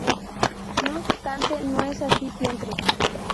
No obstante, no es así siempre.